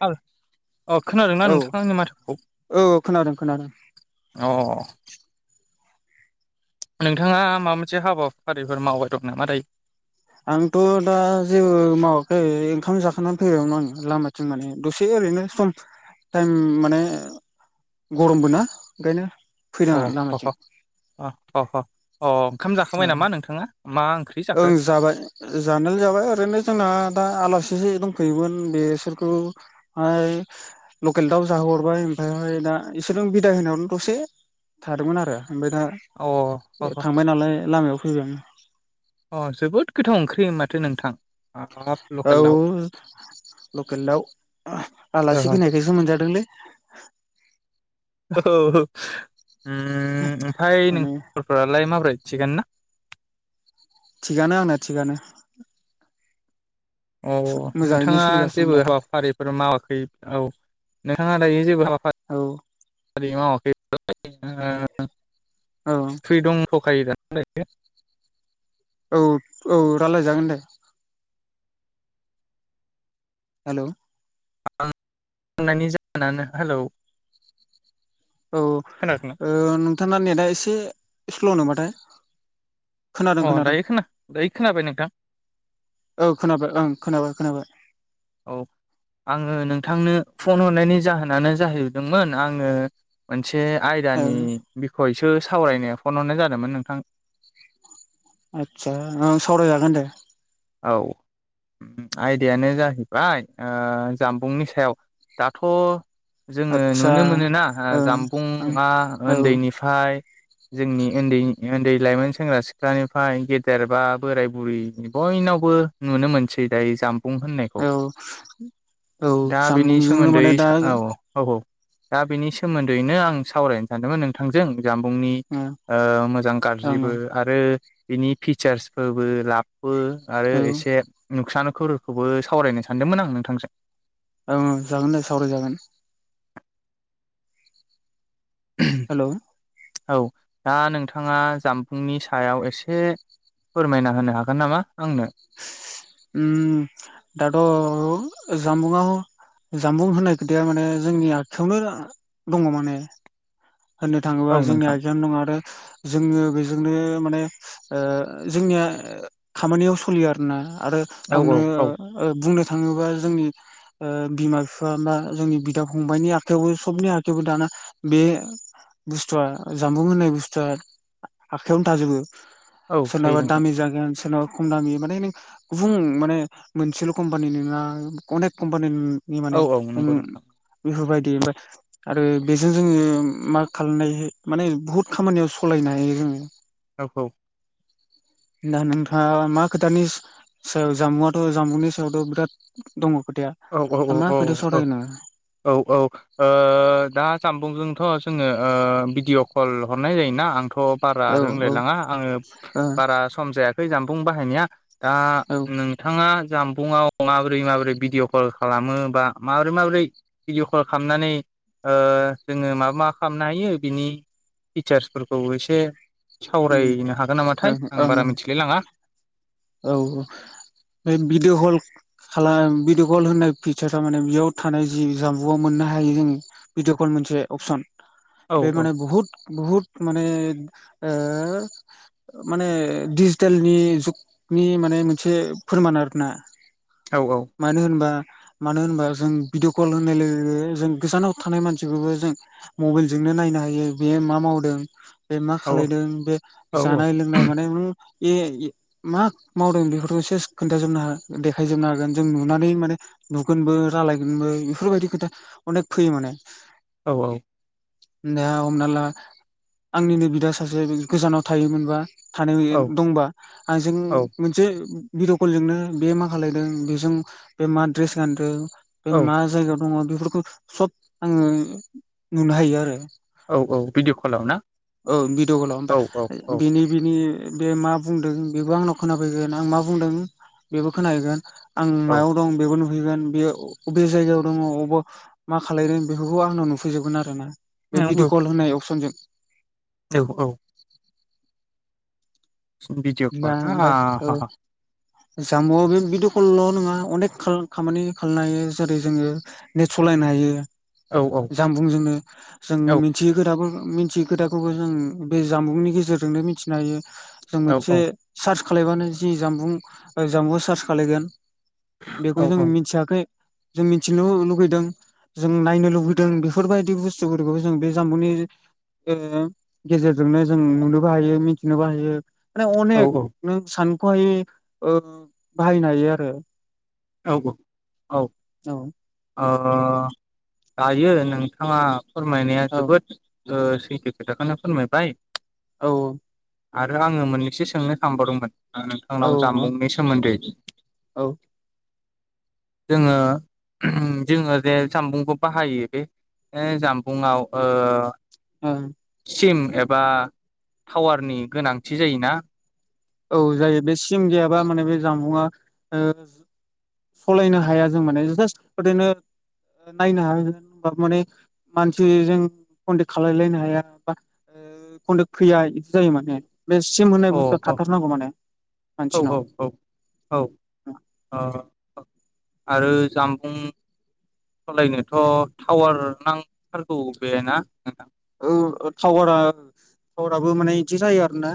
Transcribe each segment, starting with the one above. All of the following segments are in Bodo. [unintelligible] अ खोनादोंना औ नोंथाङा आंनि माथोखौ औ खोनादों खोनादों अ [inaudible] नोंथाङा माबा मोनसे हाबाफारिफोर मावबाय दं नामा दायो? आंथ' दा जेबो मावाखै ओंखाम जाखांना फैबायावमोन आङो लामाथिं माने दसे ओरैनो सम टाइम माने गरमबो ना ओंखायनो। अ फैदों आं ह लामाथिं ह अ [unintelligible] अ ओंखाम जाखांबाय नामा नोंथाङा? मा ओंख्रि जाखो ओं जाबाय जानायाल जाबाय ओरैनो जोंना दा आलासि एसेसे दंफैयोमोन बेसोरखौहाय लकेल दाउ जाहोहरबाय ओमफ्रायहाय दा बिसोरजों बिदाय होनायावनो दसे थादोंमोन आरो। ओमफ्राय दा अ ओ ह ह थांबाय नालाय लामायाव [unintelligible] अ जोबोद गोथाव ओंख्रि माथो नोंथां। हाब औ लकेल दाव लकेल दाव ओ आलासि फैनायखसो मोनजादोंलै। [inaudible] औ उम ओमफाय नों माने [unintelligible] फ्रालाय माबोरै? थिंगानो ना? थिगानो आंना थिगानो। अ मोजाङैनो नोंथाङा सोलिगासिनो जेबो दाथ' हाबाफारिफोर मावाखै औ नोंथाङा [unintelligible] औ [unintelligible] औ थै दंथ खायोदा। [unintelligible] औ औ रायलायजागोन दे। हेलौ आं होन्नायनि जाहोनानो हेलौ। औ खोनादोंना ओ नोंथाङा नेटआ इसे इसकुलाव नामा थाय? खोनादों अ खोनादों दायो खोना दायो खोनाबाय नोंथां औ खोनाबाय ओं खोनाबाय। खोनाबाय औ आङो नोंथांनो फन हरनायनि जाहोनानो जाहैदोंमोन आङो। मोनसे औ आयदानि बिखय थो सावरायनाया फन हरनाय जादोंमोन नोंथां। आतसा औ सावराय जागोन दे। औ आयदायानो जाहैबाय ओ जामबुंनि सायाव दाथ' जोङो आदसा नुनो मोनोना ओं ओं जामबुंआ औ उन्दैनिफ्राय जोंनि उन्दै उन्दै लाइमोन सेंग्रा सिख्लानिफ्राय गेदेर बा बोराय बुरि। बयनावबो नुनो मोनसै दायो जाम औ औ दा बेनि सानबुंजोंनो सोमोन्दै माने दा औ आङो औ औ दा बेनि सोमोन्दैनो आं सावरायनो सानदोंमोन नोंथांजों। जामबुंनि ओं ओ मोजां गाज्रिबो ओं आरो बिनि फिचार्सफोरबो लाब बो आरो औ एसे नुसान खुरखौबो सावरायनो सानदोंमोन आं नोंथांजों। औ जागोन दे सावराय जागोन। हेल'‌। औ दा नोंथाङा जामबुंनि सायाव एसे फोरमायना होनो हागोन नामा आंनो? उम दाथ' जामबुंङा जामबुं होननाय खोथाया माने जोंनि आखायावनो दङ माने। होननो थाङोब्ला औ जोंनि नोंथां आखायानो दङ आरो जोङो बेजोंनो माने ओ जोंनिया खामानियाव स फुलियो आरोना। आरो औ हमनो औ औ ओ बुंनो थाङोबा जोंनि ओ बिमा बिफा बा जोंनि बिदा फंबाइनि आखायावबो सबनि आखाइायावबो दाना बे बुस्थुआ जामबुं होननाय बुस्थुआ आखाइयावनो थाजोबो। औ थायो सेरनाबा नोंथां दामि जागोन सोरनाव खम दामि। माने नों गुबुं माने मोनसेल' कम्पानि नङा अनेक कम्पानि औ माने औ उ नंगौ नोंथां बेफोरबायदि ओमफ्राय आरो बेजों जोङो मा खालामनाय माने बुहुत खामानियाव सलायनो हायो जोङो। औ औ दा नोंथाङा मा? खोटानि सायाव जामुआथ' जामुंनि सायावथ' बिराद दङ। खोथाया औ औ दा औ मा खोथायाव औ सावरायनो औ औ ओ दा जामबुंजों थ' जोङो ओ भिदिअ कल हरनाय जायोना आं थ' बारा औ औ रोंलायलाङा आङो ओ बारा सम जाया थै जामफुं बाहायनाया। दा औ ओम नोंथाङा जाम फुङाव माबोरै माबोरै भिडिअ कल खालामो बा माबोरै माबोरै भिडिअ' कल खालामनानै ओ जोङो माबा माबा खालामनो हायो बिनि फिचार्सफोरखौ एसे सावरायनो हागोन ओं नामाथाय आं बारा ओं मिथिलाय लाङा। औ औ बे भिडिअ कल खालाम भिडिअ कल होननाय फिचारा माने बेयाव थानाय जि जामबुआव मोननो हायो जोङो भिडिअ कल मोनसे अपसन। औ बे औ माने बहुत बहुत माने। ओ माने डिजिटेलनि जुग नि माने मोनसे फोरमान आरो ना। औ औ मानो होनबा मानो होनबा जों भिदिअ कल होननाय लोगो लोगो जों गोजानाव थानाय मानसिखौबो जों मबाइलजोंनो नायनो हायो बेयो मा मावदों। बे मा औ खालायदों बे औ जानाय लोंनाय माने न ए मा मावदों बेफोरखौ सेस खोन्थाजोबनो ह देखायजोबनो हागोन जों नुनानै माने नुगोनबो रालायगोनबो बेफोरबायदि खोथा अनेक फैयो माने। औ-औ दा हमना ला आंनिनो बिदा सासे गोजानाव थायोमोनबा। थानायो औ दंबा आंजों मोनसे भिडिअ' कलजोंनो बे मा खालायदों बेजों बे मा द्रेस गानदो बे औ मा जायगायाव दङ बे बेफोरखौ सब आङो नुनो हायो आरो औ औ भिडिअ' कलाव ना औ भिड' गलाव औ औ ओमफ्राय औ बिनि-बिनि बे-बे मा बुंदों बेबो आंनाव खोनाफैगोन आं मा बुंदों बेबो खोनाहैगोन। आं औ मायाव दं बेबो नु नुहैगोन बेयो अ अबे जायगायाव दङ अबाव मा खालायदों बेफोरखौ आंनाव नुफैजोबगोन आरो औ बे भिडिअ कल होनाय अपसनजों औ औ भिडिअ कल आ हाहा जाम्बुआव बे भिदिअ कलल' नङा अनेक खाल खामानि खालनो हायो जेरै जोङो नेट सालायनो हायो। औ औ जामबुंजोंनो जों औ मिथियि खोथाफोर मिथियि खोथाखौबो जों बे जामबुंनि गेजेरजोंनो मिथिनो हायो जों औ से [unintelligible] खालायबानो जि जामबुं ओ जामबुंआ चार्स खालायगोन बेखौ औ जों औ मिथियाखै जों मिथिनो लुुबैदों जों नायनो लुुबैदों बेफोरबायदि बुस्थुफोरखौ जों बे जामबुंनि गेजेरजोंनो जों नुनोबो हायो ।मिथिनोबो हायो। माने औ अनेक नों सान [unintelligible] ओ बाहायनो हायो आरो औ औ औ ओ दायो नोंथाङा फोरमायनाया औ जोबोद ओ सैथो खोथाखोनो फोरमायबाय औ-औ आरो आङो मोननैसो सोंनो सानबावदोंमोन औ नोंथांनाव जामबुंनि सोमोन्दै औ जोङो जोङो जे जामबुंखौ बाहायो बे जामबुंआव ओ ओ सिम एबा टावारनि गोनांथि जायोना? औ जायो बे सि सिम गैयाबा माने बे जानबुंआ ओ सलायनो हाया जों माने जास्ट ओरैनो नायनो हाया होनबा माने मानसिजों कन्टेक्ट खालायलायनो हाया बा कनटेक्ट फैया बिदि जायो माने। बेसिम होननाय बुस्थुआ अ थाथारनांगौ माने औ औ मानसिनाव औ औ ओ आरो जामबुं सलायनोथ' टावार नांथारगौ बे ना नोंथां? ओ टावारा टावाराबो माने इदि जायो आरो ना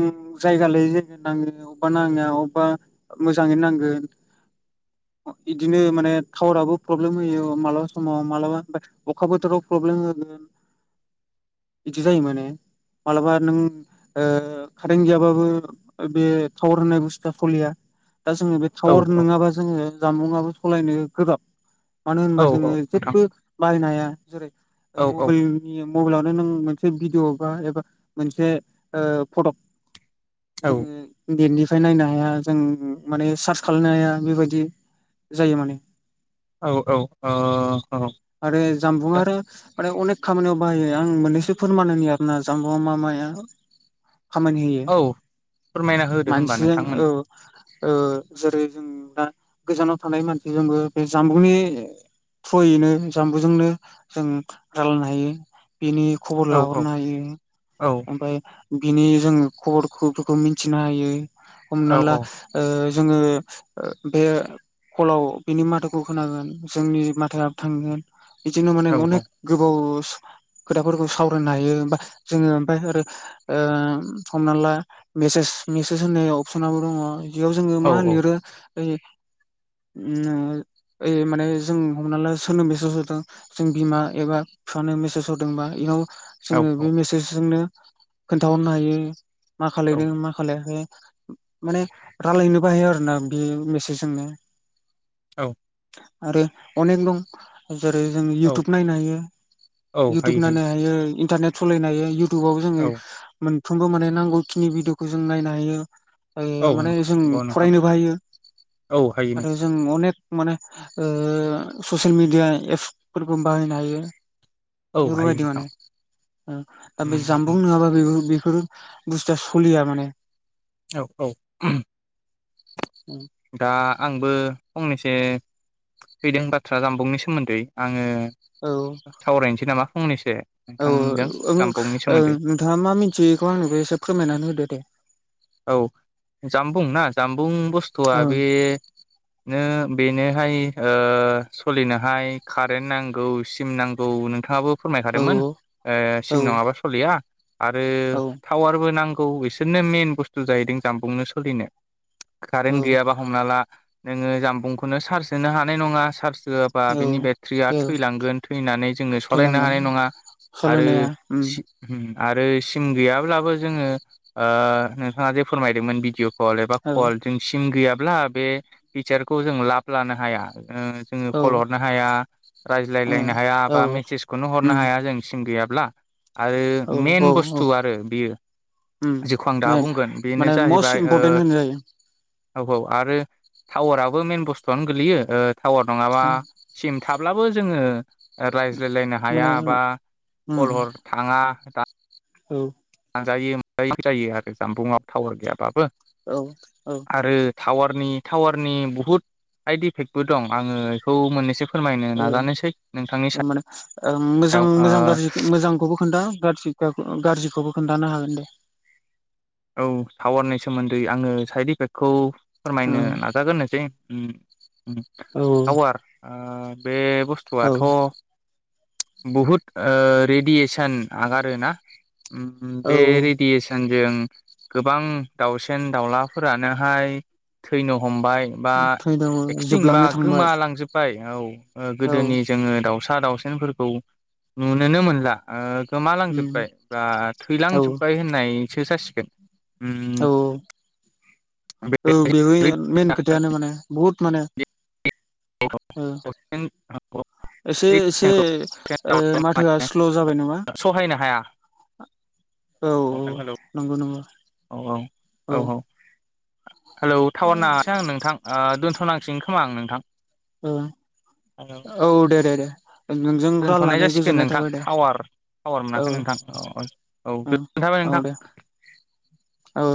नों जायगा लायै जायगा नाङो अबेबा नाङा अबेबा मोजाङै नांगोन। इदिनो माने टावाराबो प्रब्लेम होयो मालाबा समाव मालाबा अखा बोथोराव प्रब्लेम होगोन। बिदि जायो माने मालाबा नों ओ कारेन्ट गैयाबाबो बे टावार होननाय बुस्थुआ खलिया दा जोङो बे औ टावर औ नोङाबा जोङो जानबुंआबो सलायनो गोबाब मानो औ होनबा औ जोङो नोंथां जेबो बाहायनो हाया। जेरै ओ औ औ मबिल मबेइलावनो नों मोनसे भिडिअ बा एबा मोनसे ओ फटक [unintelligible] खाय नायनो हाया जों माने सार्च खालामनो हाया बेबायदि जायो माने। औ औ ओ औ आरो जामबुं दा आरो माने अनेक खामानियाव बाहायो आं मोननैसो फोरमाननियो आरोना जाम्बुआ मा माया खामानि होयो औ फोरमायना होदो होमबा मानसिजों नोंथांमोन औ। ओ जेरै जों दा गोजानाव थानाय मानसिजोंबो बे जामबुंनि थ्रयैनो जामबुजोंनो जों रालायनो हाय हायो। बेनि खबर औ औ लाहरनो हायो। औ ओमफाय बिनि जोङो खबरफोरखौ मिथिनो हायो। हमना औ ला औ औ ओ जोङो ओ बे कलाव बिनि माथाखौ खोनागोन जोंनि माथो आ थांगोन बिदिनो माने औ औ अनेक गोबाव खोथाफोरखौ सावरायनो हायो। ओमफा जोङो ओमफाय आरो ओ हमना ला मेसेज मेसेज होननाय अपसनाबो दङ'। बेयाव जोङो औ मा लिरो होयो ओ ओइ माने जों हमना ला सोरनो मिसेज हरदों जों बिमा एबा फिफानो मेसेज हरदोंबा इनाव जोङो बे मेसेजजोंनो खोनथाहरनो हायो। मा खालायदों मा खालायाखै। माने रायलायनोबो हायो आरो ना बे मेसेजोंनो। औ। आरो अनेक दं। जेरै जों औ इउटुब नायनो हायो। औ इउटुब हायो नायनो हायो। इन्टारनेट सलायनो हायो। इउटुबाव जोङो मोन फ्रोमबो माने नांगौखिनि भिडिअखौ जों नायनो हायो। औ [unintelligible] माने जों नंगौ नोंथां फरायनोबो हायो औ हायो आरो नोंथां जों अनेक माने ओ ससियेल मिडिया एपस फोरखौ बाहायनो हायो। औ हायो बेफोरबायदि नोंथां माने उम दा बे जामबुं नङाबा बेबो बे ओ बुस्थुआ सलिया माने औ औ। दा आंबो फंनैसो फैदों बाथ्रा जामबुंनि सोमोन्दै आङो औ सावरायनोसै नामा। फंनैसो औ ओ नोंथांजों ओं जामबुंनि ओ सोमोन्दै नोंथाङा मा मिन्थियो बेखौ आंनोबो एसे फोरमायनानै होदो दे। औ जामबुं ना जाम बुं बुस्थुआ ओं बे नो बेनोहाय ओ सलिनोहाय कारेन्ट नांगौ सिम नांगौ नोंथाङाबो औ फोरमायखादोंमोन ओ औ सिम नङाबा सलिया। आरो औ टावारबो नां गौ बिसोरनो मेन बुस थु जाहैदों जामबुंनो सोलिनो। औ कारेन्ट गैयाबा हमना ला नोङो जामबुंखौनो चार्ज होनो हानाय नङा चार्ज। होआबा औ बिनि बेट्रिया औ थैलांगोन थैनानै जोङो सलायनो थैलांगोन हानाय नङा आरो सालायनाया उम सि उम। आरो सिम गैयाब्लाबो जोङो ओ नो ताङा जे फोरमायदोंमोन भिडिअ'। कल एबा औ कल जों सिम गैया ब्ला बे टिचारखौ जों लाब लानो हाया। ओ जोङो औ कल हरनो हाया ओ रायज्लायलायनो हाया औ बा मेसेजखौनो हरनो उम हाया जों सिम गैया ब्ला। आरो औ मेन औ औ बुस्थु आरो बियो उम जेखौ आं दा मेन बुंगोन। बेनो माने मस्ट जाहैबाय ओ इम्परटेन होनजायो औ औ आरो टावाराबो मेन बुस्थुआनो गोलैयो ओ टावार नङाबा सिम थाब्लाबो जोंङो रायज्लायलायनो माने हाया बा उम खल हर थांङा औ। [unintelligible] जायो आरो जानबुंआव टावार गैयाबो। औ औ। टावारनि टावारनि बुहुत साइड इफेक्टबो दं आंङो बेखौ मोननैसो फो फोरमायनो औ नाजानोसै नोंथांनि साया माने मोजां मोजां गाज्रि मोजांखौबो खोन्था गाज्रि गा गाज्रिखौबो खोनथानो हागोन दे। औ टावारनि सोमोन्दै आंङो साइद इफेक्टखौ औ फोरमायनो नाजागोरनोसै औ टावार। आ बे बुस्थुआथ' बहुद रेडियेसन आगारो ना? उम औ बे औ रेडियेसन जों गोबां दाउसेन-दाउलाफोरानोहाय थैनो हमबाय बा थैदाव एक्सथिं बा जोबलांनो थांबाय गोमालांजोब्बाय। औ। गोदोनि जोंङो दाउसा फिसा दावसिनफोरखौ नुनोनो मोनला। उम गोमालांजोबबाय बा औ थैलांजोबबाय होननाय [unintelligible] जासिगोन। औ उम। बे औ बेबो मेन खथायानो माने बहुत माने। [inaudible] औ एसे एसे ओ माथोआ स्ल' जाबाय नामा? सहायनो हाया औ औ नंगौ नंगौ। औ औ औ औ। हेल' टावार नांङासै आंना नोंथां ओ दोनथ' थ'नांसिन खोमा आं नोंथां? औ-औ दे-दे-दे। दोनथ'नाय जासिगोन नोंथां दे टावार टावार औ मोनाखै नोंथां औ-औ-औ औ [unintelligible] थाबाय औ नोंथां दे औ